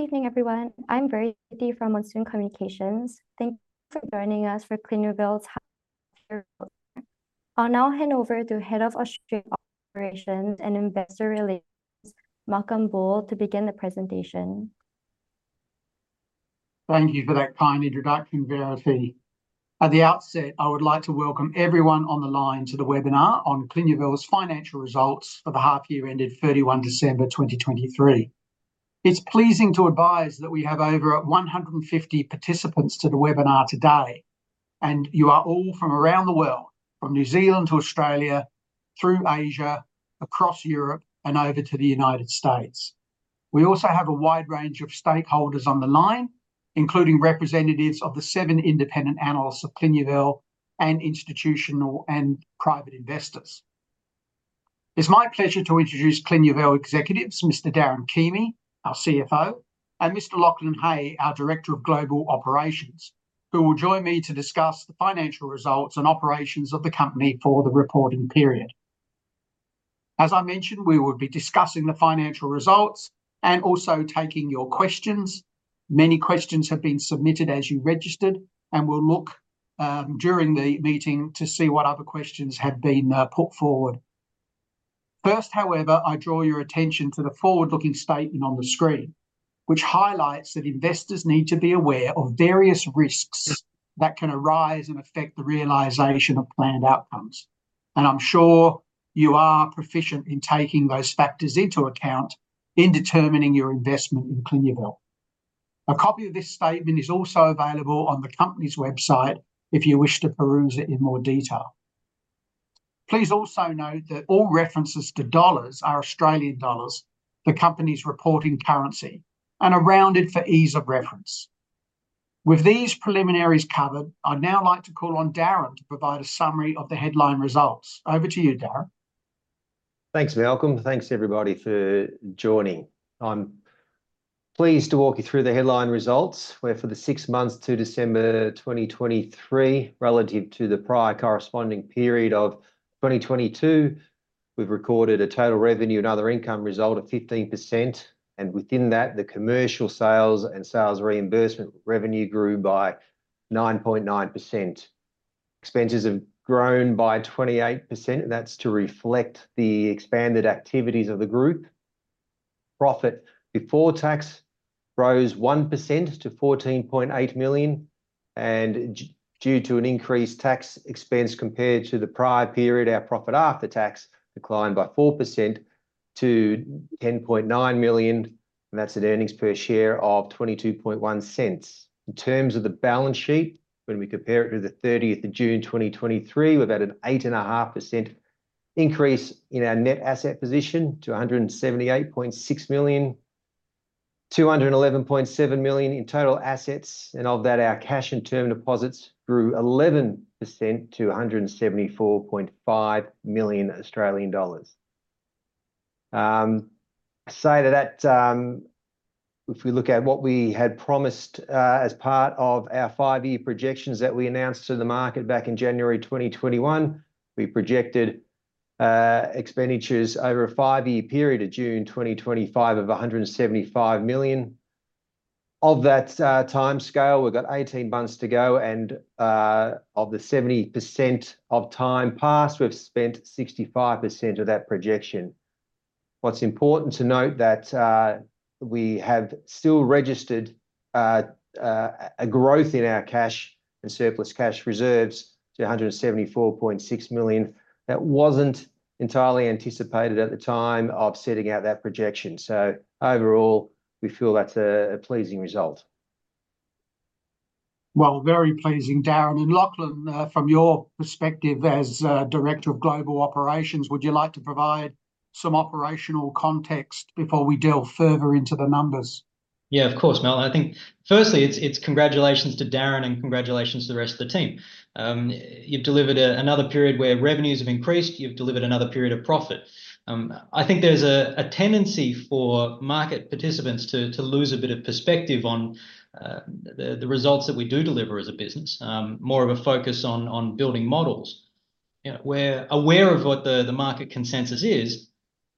Good evening, everyone. I'm Verity from Monsoon Communications. Thank you for joining us for Clinuvel's Half Year. I'll now hand over to Head of Australian Operations and Investor Relations, Malcolm Bull, to begin the presentation. Thank you for that kind introduction, Verity. At the outset, I would like to welcome everyone on the line to the webinar on Clinuvel's financial results for the half-year ended 31 December 2023. It's pleasing to advise that we have over 150 participants to the webinar today, and you are all from around the world, from New Zealand to Australia, through Asia, across Europe, and over to the United States. We also have a wide range of stakeholders on the line, including representatives of the seven independent analysts of Clinuvel and institutional and private investors. It's my pleasure to introduce Clinuvel executives, Mr. Darren Keamy, our CFO, and Mr. Lachlan Hay, our Director of Global Operations, who will join me to discuss the financial results and operations of the company for the reporting period. As I mentioned, we will be discussing the financial results and also taking your questions. Many questions have been submitted as you registered, and we'll look during the meeting to see what other questions have been put forward. First, however, I draw your attention to the forward-looking statement on the screen, which highlights that investors need to be aware of various risks that can arise and affect the realization of planned outcomes. I'm sure you are proficient in taking those factors into account in determining your investment in Clinuvel. A copy of this statement is also available on the company's website if you wish to peruse it in more detail. Please also note that all references to dollars are Australian dollars, the company's reporting currency, and are rounded for ease of reference. With these preliminaries covered, I'd now like to call on Darren to provide a summary of the headline results. Over to you, Darren. Thanks, Malcolm. Thanks, everybody, for joining. I'm pleased to walk you through the headline results, where for the six months to December 2023, relative to the prior corresponding period of 2022, we've recorded a total revenue and other income result of 15%, and within that, the commercial sales and sales reimbursement revenue grew by 9.9%. Expenses have grown by 28%, and that's to reflect the expanded activities of the group. Profit before tax rose 1% to 14.8 million, and due to an increased tax expense compared to the prior period, our profit after tax declined by 4% to 10.9 million, and that's an earnings per share of 0.221. In terms of the balance sheet, when we compare it to the 30th of June 2023, we've had an 8.5% increase in our net asset position to 178.6 million, 211.7 million in total assets, and of that, our cash and term deposits grew 11% to 174.5 million Australian dollars. I say that if we look at what we had promised as part of our five-year projections that we announced to the market back in January 2021, we projected expenditures over a five-year period of June 2025 of 175 million. Of that timescale, we've got 18 months to go, and of the 70% of time passed, we've spent 65% of that projection. What's important to note is that we have still registered a growth in our cash and surplus cash reserves to 174.6 million. That wasn't entirely anticipated at the time of setting out that projection. Overall, we feel that's a pleasing result. Well, very pleasing. Darren and Lachlan, from your perspective as Director of Global Operations, would you like to provide some operational context before we delve further into the numbers? Yeah, of course, Malcolm. I think firstly, it's congratulations to Darren and congratulations to the rest of the team. You've delivered another period where revenues have increased. You've delivered another period of profit. I think there's a tendency for market participants to lose a bit of perspective on the results that we do deliver as a business, more of a focus on building models. We're aware of what the market consensus is.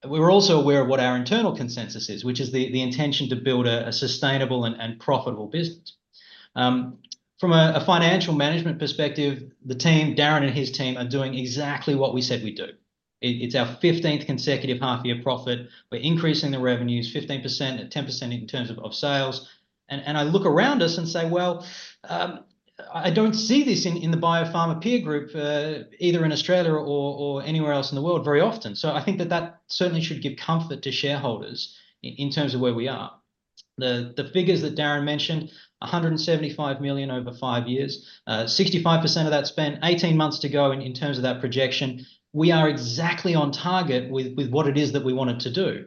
We're also aware of what our internal consensus is, which is the intention to build a sustainable and profitable business. From a financial management perspective, the team, Darren and his team, are doing exactly what we said we'd do. It's our 15th consecutive half-year profit. We're increasing the revenues 15%, 10% in terms of sales. I look around us and say, well, I don't see this in the biopharma peer group, either in Australia or anywhere else in the world, very often. So I think that that certainly should give comfort to shareholders in terms of where we are. The figures that Darren mentioned, 175 million over five years, 65% of that spent, 18 months to go in terms of that projection, we are exactly on target with what it is that we wanted to do.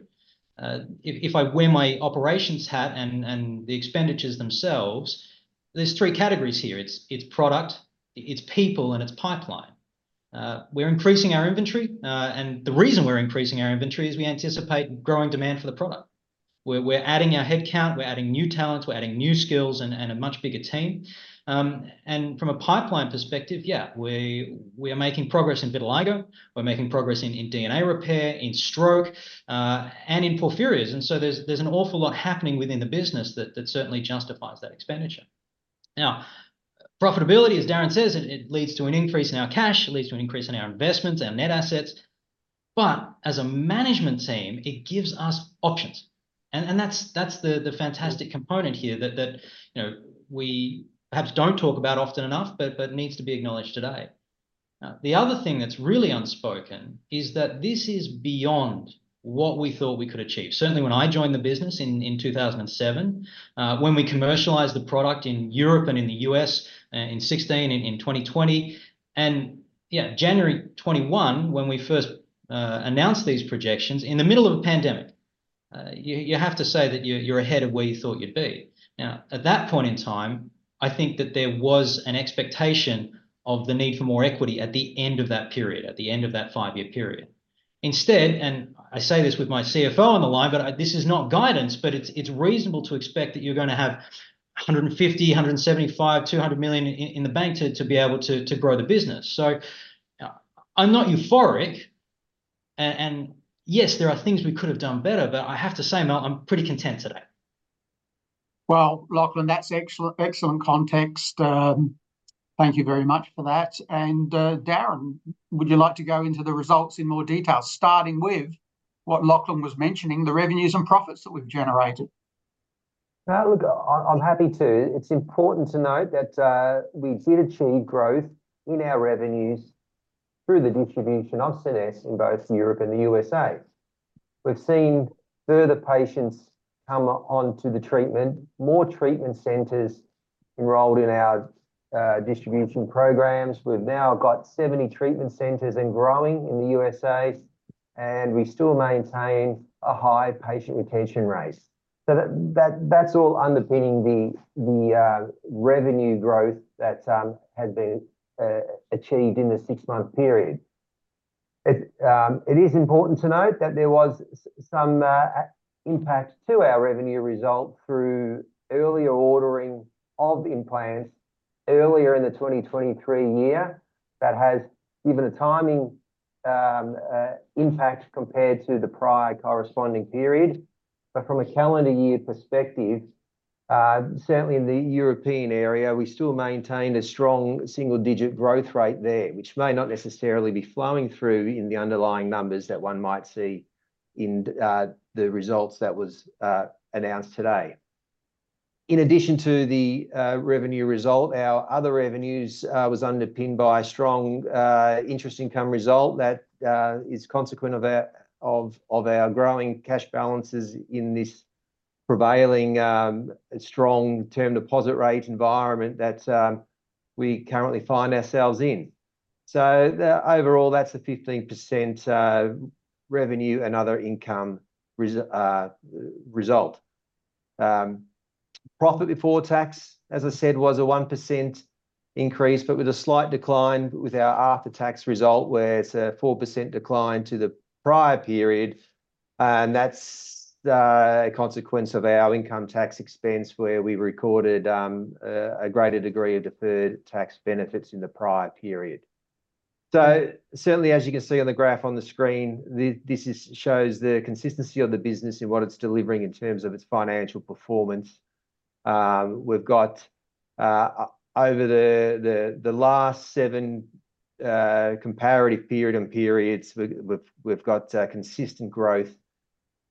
If I wear my operations hat and the expenditures themselves, there's three categories here. It's product, it's people, and it's pipeline. We're increasing our inventory. And the reason we're increasing our inventory is we anticipate growing demand for the product. We're adding our headcount. We're adding new talent. We're adding new skills and a much bigger team. From a pipeline perspective, yeah, we are making progress in vitiligo. We're making progress in DNA repair, in stroke, and in porphyrias. So there's an awful lot happening within the business that certainly justifies that expenditure. Now, profitability, as Darren says, it leads to an increase in our cash. It leads to an increase in our investments, our net assets. But as a management team, it gives us options. And that's the fantastic component here that we perhaps don't talk about often enough, but needs to be acknowledged today. The other thing that's really unspoken is that this is beyond what we thought we could achieve. Certainly when I joined the business in 2007, when we commercialized the product in Europe and in the U.S. in 2016, in 2020, and yeah, January 2021, when we first announced these projections, in the middle of a pandemic, you have to say that you're ahead of where you thought you'd be. Now, at that point in time, I think that there was an expectation of the need for more equity at the end of that period, at the end of that five-year period. Instead, and I say this with my CFO on the line, but this is not guidance, but it's reasonable to expect that you're going to have 150 million, 175 million, 200 million in the bank to be able to grow the business. So I'm not euphoric. And yes, there are things we could have done better, but I have to say, Malcolm, I'm pretty content today. Well, Lachlan, that's excellent context. Thank you very much for that. And Darren, would you like to go into the results in more detail, starting with what Lachlan was mentioning, the revenues and profits that we've generated? I'm happy to. It's important to note that we did achieve growth in our revenues through the distribution of SCENESSE® in both Europe and the USA. We've seen further patients come onto the treatment, more treatment centers enrolled in our distribution programs. We've now got 70 treatment centers and growing in the USA. And we still maintain a high patient retention rate. So that's all underpinning the revenue growth that has been achieved in the six-month period. It is important to note that there was some impact to our revenue result through earlier ordering of implants earlier in the 2023 year that has given a timing impact compared to the prior corresponding period. From a calendar year perspective, certainly in the European area, we still maintain a strong single-digit growth rate there, which may not necessarily be flowing through in the underlying numbers that one might see in the results that were announced today. In addition to the revenue result, our other revenues were underpinned by a strong interest income result that is consequent of our growing cash balances in this prevailing strong term deposit rate environment that we currently find ourselves in. So overall, that's a 15% revenue and other income result. Profit before tax, as I said, was a 1% increase, but with a slight decline with our after-tax result where it's a 4% decline to the prior period. That's a consequence of our income tax expense where we recorded a greater degree of deferred tax benefits in the prior period. So certainly, as you can see on the graph on the screen, this shows the consistency of the business in what it's delivering in terms of its financial performance. We've got over the last seven comparative period and periods, we've got consistent growth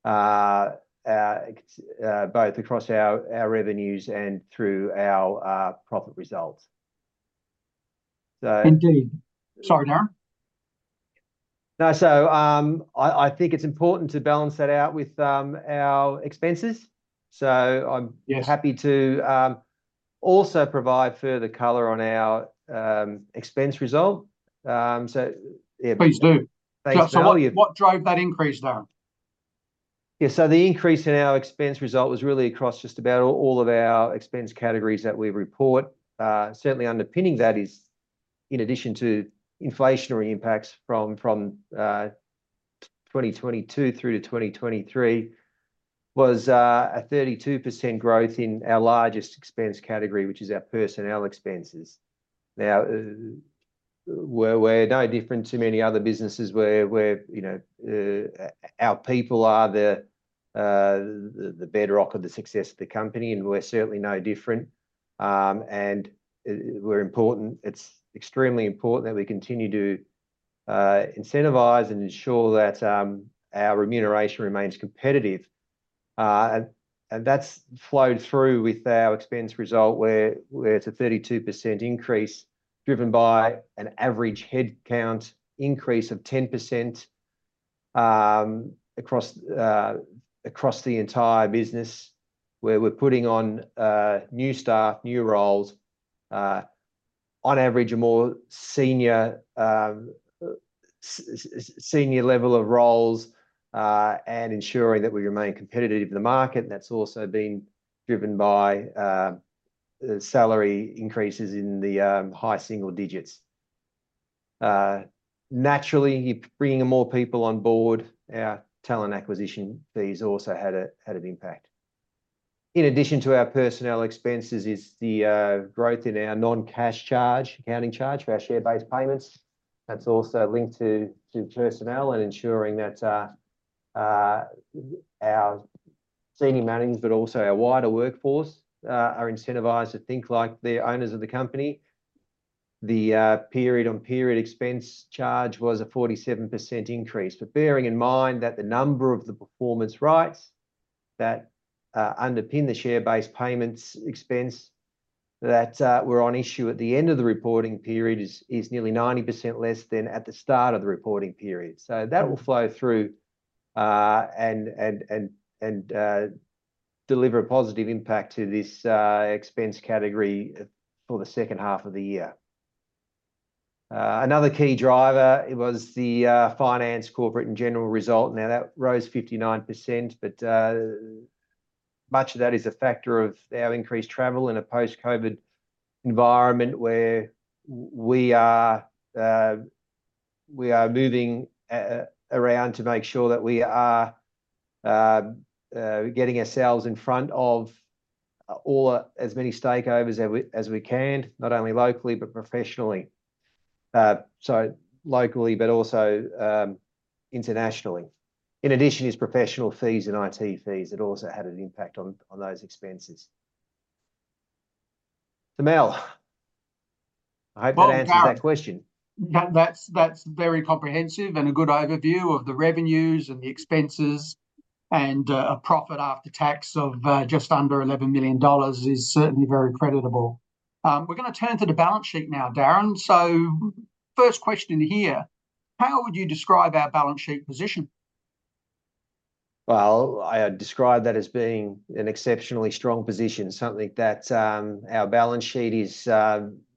both across our revenues and through our profit results. Indeed. Sorry, Darren? No, so I think it's important to balance that out with our expenses. So I'm happy to also provide further color on our expense result. Please do. Thanks. What drove that increase, Darren? Yeah, so the increase in our expense result was really across just about all of our expense categories that we report. Certainly, underpinning that is, in addition to inflationary impacts from 2022 through to 2023, was a 32% growth in our largest expense category, which is our personnel expenses. Now, we're no different to many other businesses where our people are the bedrock of the success of the company, and we're certainly no different. And we're important. It's extremely important that we continue to incentivize and ensure that our remuneration remains competitive. And that's flowed through with our expense result where it's a 32% increase driven by an average headcount increase of 10% across the entire business where we're putting on new staff, new roles, on average, a more senior level of roles, and ensuring that we remain competitive in the market. And that's also been driven by salary increases in the high single digits. Naturally, bringing more people on board, our talent acquisition fees also had an impact. In addition to our personnel expenses is the growth in our non-cash charge, accounting charge for our share-based payments. That's also linked to personnel and ensuring that our senior managers, but also our wider workforce, are incentivized to think like they're owners of the company. The period-on-period expense charge was a 47% increase. But bearing in mind that the number of the performance rights that underpin the share-based payments expense that were on issue at the end of the reporting period is nearly 90% less than at the start of the reporting period. So that will flow through and deliver a positive impact to this expense category for the second half of the year. Another key driver was the finance, corporate, and general result. Now, that rose 59%, but much of that is a factor of our increased travel in a post-COVID environment where we are moving around to make sure that we are getting ourselves in front of as many stakeholders as we can, not only locally, but professionally. So locally, but also internationally. In addition, there are professional fees and IT fees that also had an impact on those expenses. Mal, I hope that answers that question. That's very comprehensive and a good overview of the revenues and the expenses. A profit after tax of just under 11 million dollars is certainly very creditable. We're going to turn to the balance sheet now, Darren. First question here, how would you describe our balance sheet position? Well, I describe that as being an exceptionally strong position, something that our balance sheet is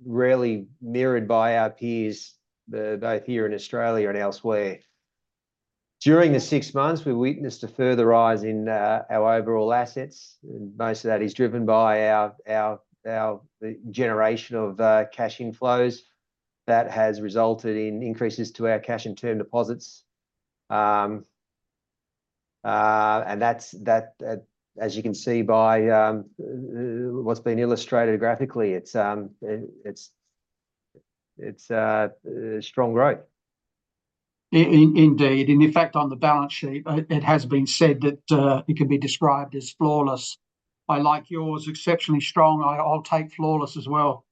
rarely mirrored by our peers, both here in Australia and elsewhere. During the six months, we witnessed a further rise in our overall assets. Most of that is driven by our generation of cash inflows that has resulted in increases to our cash and term deposits. And that's, as you can see by what's been illustrated graphically, it's strong growth. Indeed. In fact, on the balance sheet, it has been said that it can be described as flawless. I like yours, exceptionally strong. I'll take flawless as well.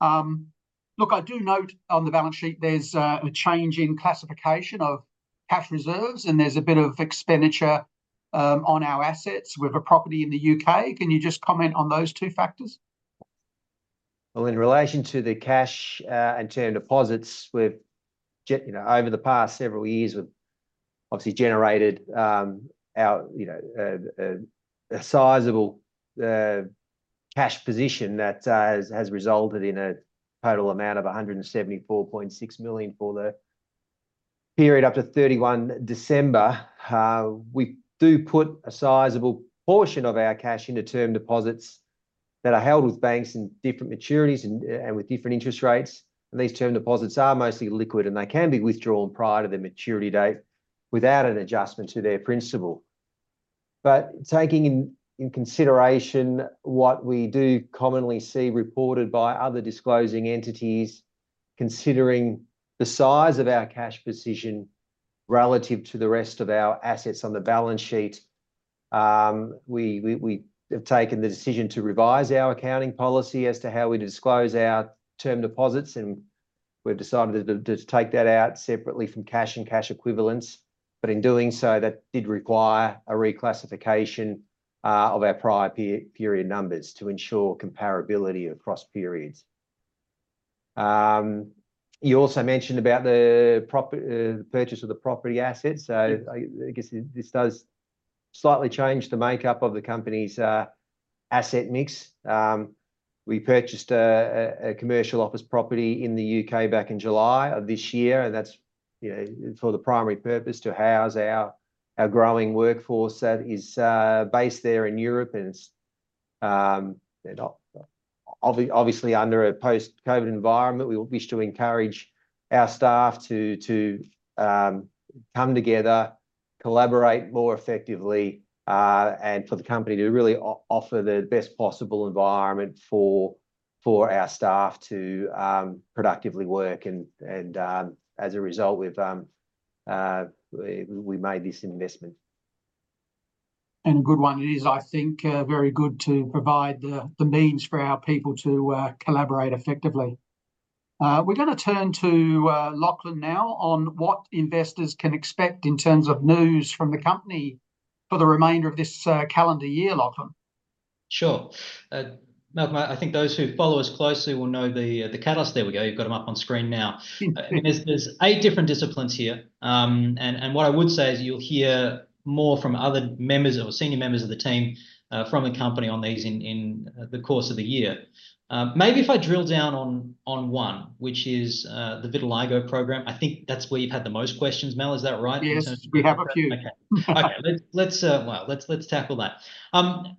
Look, I do note on the balance sheet there's a change in classification of cash reserves, and there's a bit of expenditure on our assets. We've a property in the U.K. Can you just comment on those two factors? Well, in relation to the cash and term deposits, over the past several years, we've obviously generated a sizable cash position that has resulted in a total amount of 174.6 million for the period up to 31 December. We do put a sizable portion of our cash into term deposits that are held with banks in different maturities and with different interest rates. And these term deposits are mostly liquid, and they can be withdrawn prior to the maturity date without an adjustment to their principal. But taking in consideration what we do commonly see reported by other disclosing entities, considering the size of our cash position relative to the rest of our assets on the balance sheet, we have taken the decision to revise our accounting policy as to how we disclose our term deposits. And we've decided to take that out separately from cash and cash equivalents. In doing so, that did require a reclassification of our prior period numbers to ensure comparability across periods. You also mentioned about the purchase of the property assets. I guess this does slightly change the makeup of the company's asset mix. We purchased a commercial office property in the U.K. back in July of this year. That's for the primary purpose to house our growing workforce that is based there in Europe. Obviously, under a post-COVID environment, we wish to encourage our staff to come together, collaborate more effectively, and for the company to really offer the best possible environment for our staff to productively work. As a result, we've made this investment. A good one. It is, I think, very good to provide the means for our people to collaborate effectively. We're going to turn to Lachlan now on what investors can expect in terms of news from the company for the remainder of this calendar year, Lachlan. Sure. Malcolm, I think those who follow us closely will know the catalyst. There we go. You've got them up on screen now. I mean, there's eight different disciplines here. And what I would say is you'll hear more from other members or senior members of the team from the company on these in the course of the year. Maybe if I drill down on one, which is the vitiligo program. I think that's where you've had the most questions, Mal. Is that right? Yes, we have a few. Okay. Okay. Well, let's tackle that.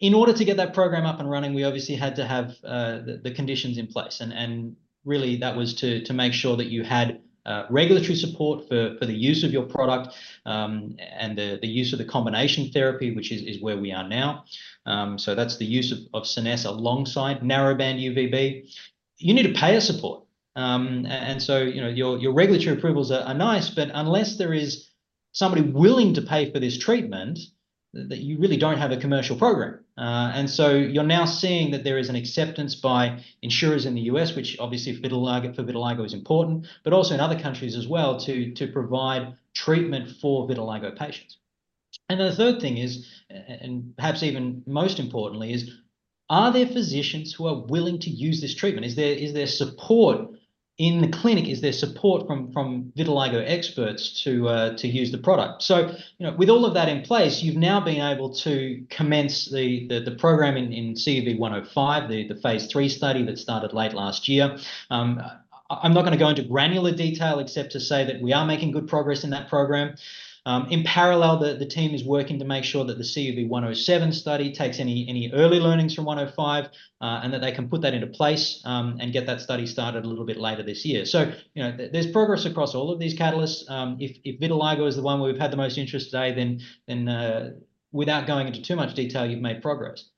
In order to get that program up and running, we obviously had to have the conditions in place. And really, that was to make sure that you had regulatory support for the use of your product and the use of the combination therapy, which is where we are now. So that's the use of SCENESSE® alongside Narrowband UVB. You need payer support. And so your regulatory approvals are nice, but unless there is somebody willing to pay for this treatment, you really don't have a commercial program. And so you're now seeing that there is an acceptance by insurers in the U.S., which obviously for vitiligo is important, but also in other countries as well to provide treatment for vitiligo patients. And then the third thing is, and perhaps even most importantly, are there physicians who are willing to use this treatment? Is there support in the clinic? Is there support from vitiligo experts to use the product? So with all of that in place, you've now been able to commence the program in CUV-105, the phase three study that started late last year. I'm not going to go into granular detail except to say that we are making good progress in that program. In parallel, the team is working to make sure that the CUV-107 study takes any early learnings from 105 and that they can put that into place and get that study started a little bit later this year. So there's progress across all of these catalysts. If vitiligo is the one where we've had the most interest today, then without going into too much detail, you've made progress.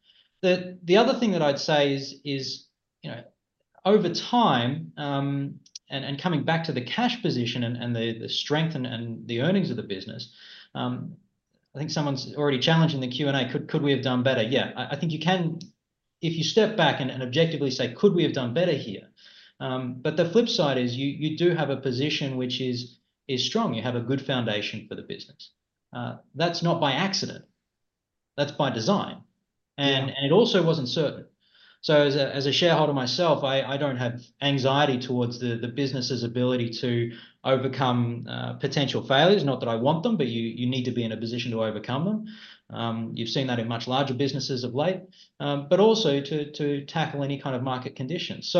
The other thing that I'd say is, over time, and coming back to the cash position and the strength and the earnings of the business, I think someone's already challenged in the Q&A. Could we have done better? Yeah, I think you can if you step back and objectively say, could we have done better here? But the flip side is you do have a position which is strong. You have a good foundation for the business. That's not by accident. That's by design. And it also wasn't certain. So as a shareholder myself, I don't have anxiety towards the business's ability to overcome potential failures. Not that I want them, but you need to be in a position to overcome them. You've seen that in much larger businesses of late, but also to tackle any kind of market conditions.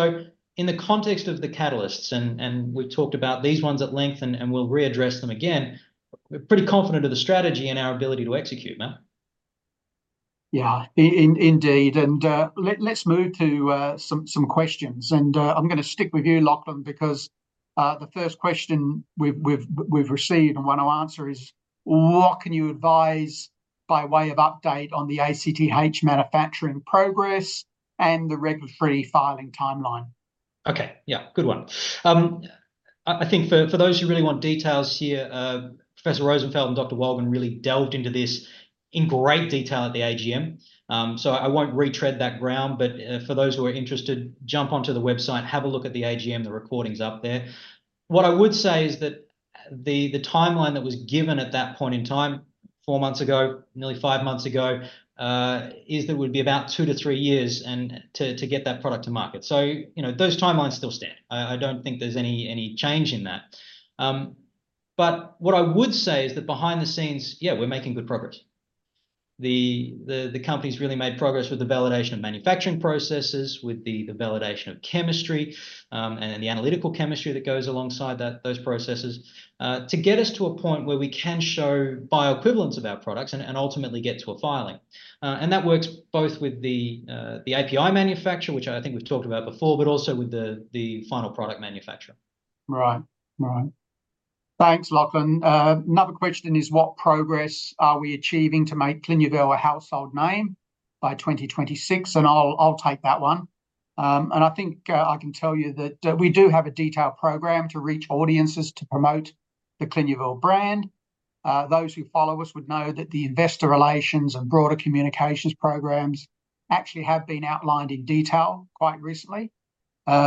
In the context of the catalysts, and we've talked about these ones at length and we'll readdress them again, we're pretty confident of the strategy and our ability to execute, Mal. Yeah, indeed. Let's move to some questions. I'm going to stick with you, Lachlan, because the first question we've received and want to answer is, what can you advise by way of update on the ACTH manufacturing progress and the regulatory filing timeline? Okay. Yeah, good one. I think for those who really want details here, Professor Rosenfeld and Dr. Wolgen really delved into this in great detail at the AGM. So I won't retread that ground. But for those who are interested, jump onto the website, have a look at the AGM. The recording's up there. What I would say is that the timeline that was given at that point in time, four months ago, nearly five months ago, is that it would be about two-three years to get that product to market. So those timelines still stand. I don't think there's any change in that. But what I would say is that behind the scenes, yeah, we're making good progress. The company's really made progress with the validation of manufacturing processes, with the validation of chemistry and the analytical chemistry that goes alongside those processes to get us to a point where we can show bioequivalence of our products and ultimately get to a filing. And that works both with the API manufacturer, which I think we've talked about before, but also with the final product manufacturer. Right. Right. Thanks, Lachlan. Another question is, what progress are we achieving to make Clinuvel a household name by 2026? And I'll take that one. And I think I can tell you that we do have a detailed program to reach audiences to promote the Clinuvel brand. Those who follow us would know that the investor relations and broader communications programs actually have been outlined in detail quite recently.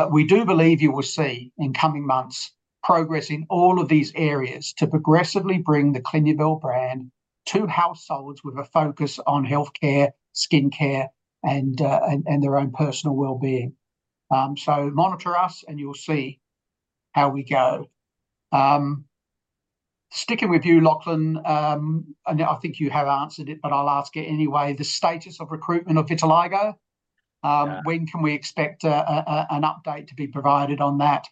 We do believe you will see in coming months progress in all of these areas to progressively bring the Clinuvel brand to households with a focus on healthcare, skincare, and their own personal well-being. So monitor us and you'll see how we go. Sticking with you, Lachlan, and I think you have answered it, but I'll ask it anyway. The status of recruitment of vitiligo. When can we expect an update to be provided on that?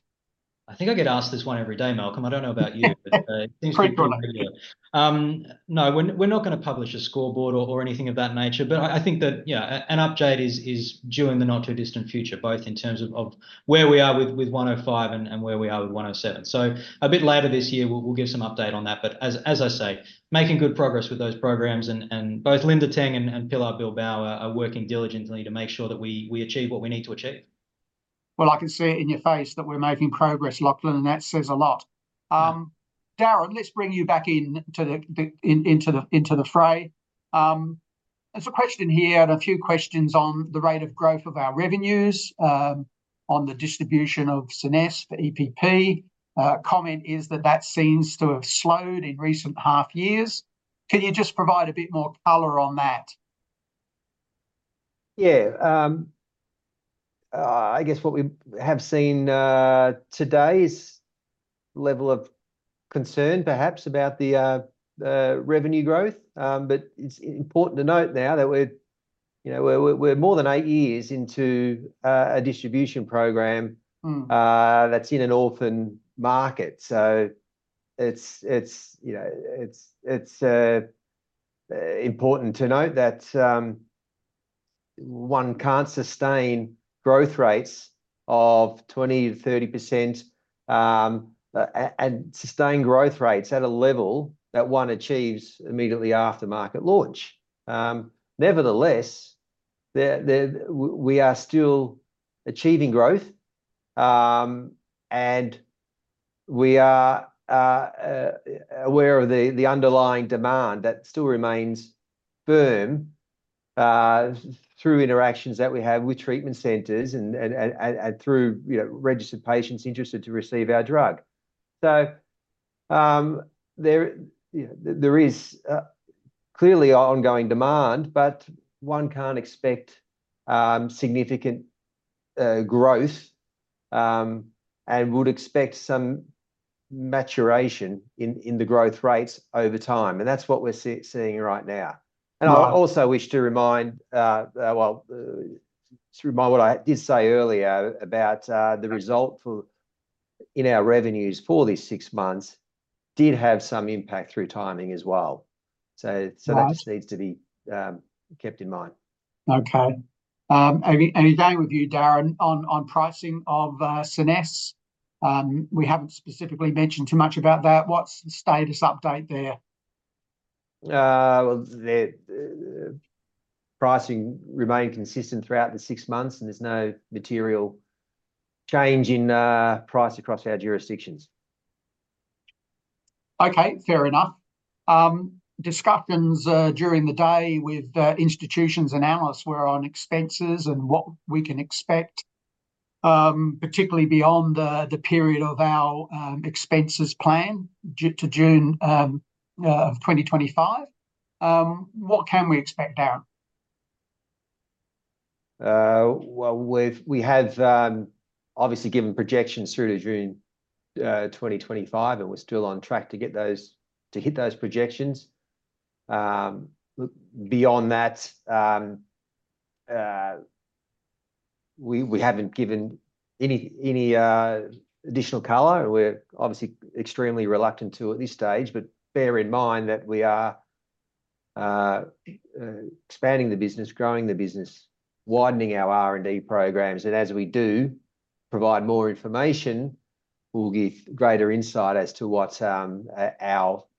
I think I get asked this one every day, Malcolm. I don't know about you, but it seems pretty regular. No, we're not going to publish a scoreboard or anything of that nature. But I think that, yeah, an update is due in the not-too-distant future, both in terms of where we are with 105 and where we are with 107. So a bit later this year, we'll give some update on that. But as I say, making good progress with those programs. And both Linda Teng and Pilar Bilbao are working diligently to make sure that we achieve what we need to achieve. Well, I can see it in your face that we're making progress, Lachlan, and that says a lot. Darren, let's bring you back into the fray. There's a question here and a few questions on the rate of growth of our revenues, on the distribution of SCENESSE® for EPP. Comment is that that seems to have slowed in recent half years. Can you just provide a bit more color on that? Yeah. I guess what we have seen today is level of concern, perhaps, about the revenue growth. But it's important to note now that we're more than eight years into a distribution program that's in an orphan market. So it's important to note that one can't sustain growth rates of 20%-30% and sustain growth rates at a level that one achieves immediately after market launch. Nevertheless, we are still achieving growth. And we are aware of the underlying demand that still remains firm through interactions that we have with treatment centers and through registered patients interested to receive our drug. So there is clearly ongoing demand, but one can't expect significant growth and would expect some maturation in the growth rates over time. And that's what we're seeing right now. I also wish to remind, well, to remind what I did say earlier about the result in our revenues for these six months did have some impact through timing as well. So that just needs to be kept in mind. Okay. Anything with you, Darren, on pricing of SCENESSE®? We haven't specifically mentioned too much about that. What's the status update there? Well, pricing remained consistent throughout the six months, and there's no material change in price across our jurisdictions. Okay, fair enough. Discussions during the day with institutions and analysts were on expenses and what we can expect, particularly beyond the period of our expenses plan to June of 2025. What can we expect, Darren? Well, we have obviously given projections through to June 2025, and we're still on track to hit those projections. Beyond that, we haven't given any additional color. We're obviously extremely reluctant to at this stage, but bear in mind that we are expanding the business, growing the business, widening our R&D programs. And as we do provide more information, we'll give greater insight as to what our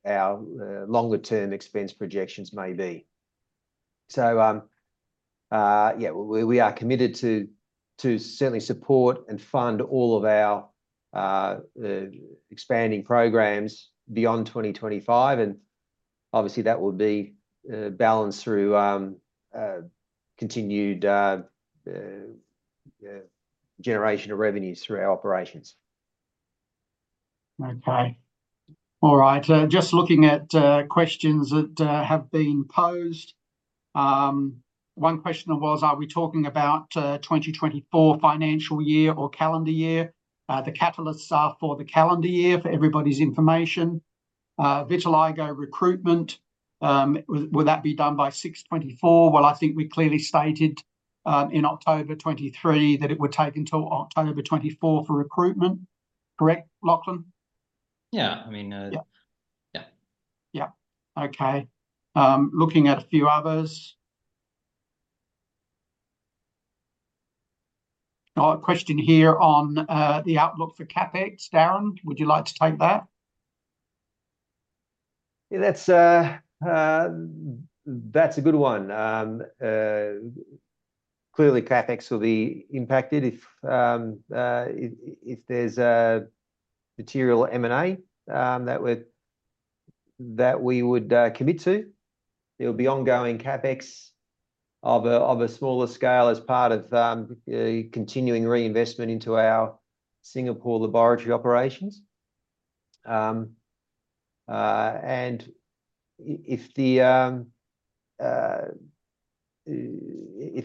longer-term expense projections may be. So yeah, we are committed to certainly support and fund all of our expanding programs beyond 2025. And obviously, that will be balanced through continued generation of revenues through our operations. Okay. All right. Just looking at questions that have been posed. One question was, are we talking about 2024 financial year or calendar year? The catalysts are for the calendar year for everybody's information. Vitiligo recruitment, will that be done by 6/2024? Well, I think we clearly stated in October 2023 that it would take until October 2024 for recruitment. Correct, Lachlan? Yeah. I mean, yeah. Yeah. Okay. Looking at a few others. Question here on the outlook for CapEx, Darren. Would you like to take that? Yeah, that's a good one. Clearly, CapEx will be impacted if there's material M&A that we would commit to. There will be ongoing CapEx of a smaller scale as part of continuing reinvestment into our Singapore laboratory operations. If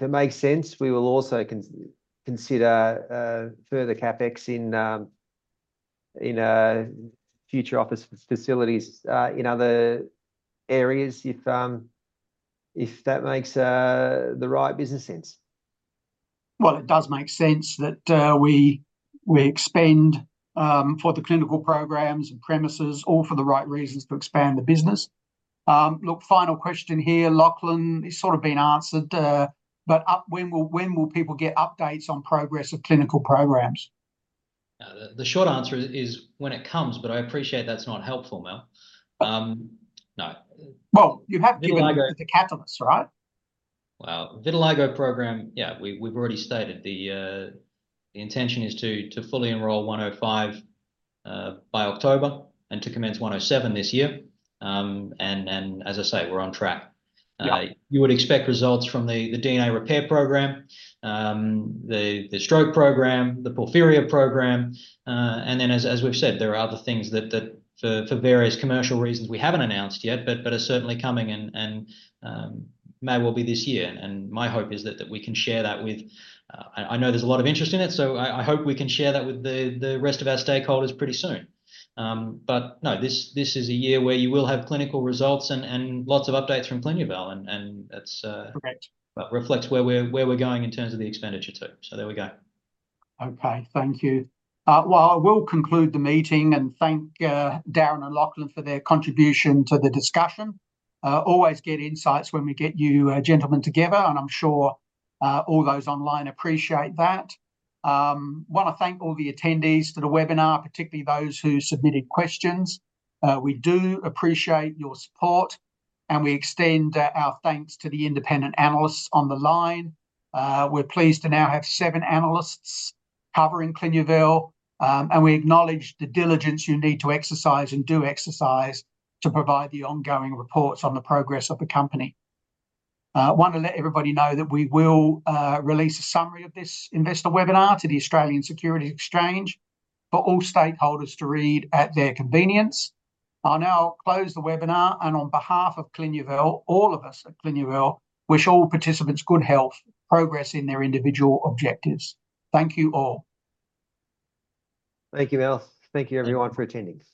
it makes sense, we will also consider further CapEx in future office facilities in other areas if that makes the right business sense. Well, it does make sense that we expand for the clinical programs and premises, all for the right reasons to expand the business. Look, final question here, Lachlan. It's sort of been answered, but when will people get updates on progress of clinical programs? The short answer is when it comes, but I appreciate that's not helpful, Mal. No. Well, you have given it to the catalysts, right? Well, vitiligo program, yeah, we've already stated the intention is to fully enroll 105 by October and to commence 107 this year. And as I say, we're on track. You would expect results from the DNA repair program, the stroke program, the porphyria program. And then, as we've said, there are other things that for various commercial reasons we haven't announced yet, but are certainly coming and may well be this year. And my hope is that we can share that with—I know there's a lot of interest in it, so I hope we can share that with the rest of our stakeholders pretty soon. But no, this is a year where you will have clinical results and lots of updates from Clinuvel. And that reflects where we're going in terms of the expenditure too. So there we go. Okay. Thank you. Well, I will conclude the meeting and thank Darren and Lachlan for their contribution to the discussion. Always get insights when we get you gentlemen together, and I'm sure all those online appreciate that. I want to thank all the attendees to the webinar, particularly those who submitted questions. We do appreciate your support, and we extend our thanks to the independent analysts on the line. We're pleased to now have seven analysts covering Clinuvel, and we acknowledge the diligence you need to exercise and do exercise to provide the ongoing reports on the progress of the company. I want to let everybody know that we will release a summary of this investor webinar to the Australian Securities Exchange for all stakeholders to read at their convenience. I now close the webinar, and on behalf of Clinuvel, all of us at Clinuvel wish all participants good health, progress in their individual objectives. Thank you all. Thank you, Mal. Thank you, everyone, for attending.